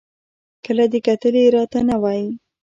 که دې کتلي را ته نه وای